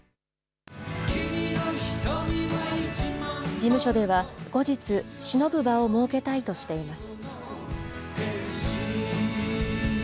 事務所では、後日、しのぶ場を設けたいとしています。